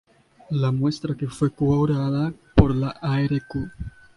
La muestra que fue curada por la arq.